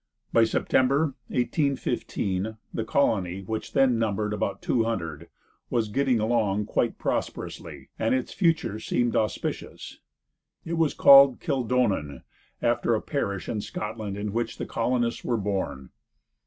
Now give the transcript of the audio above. By September, 1815, the colony, which then numbered about two hundred, was getting along quite prosperously, and its future seemed auspicious. It was called "Kildonan," after a parish in Scotland in which the colonists were born.